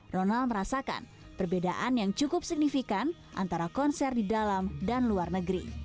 ronald merasakan perbedaan yang cukup signifikan antara konser di dalam dan luar negeri